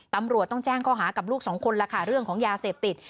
ตำรวจต้องแจ้งข้อหากับลูกสองคนแล้วค่ะเรื่องของยาเสพติด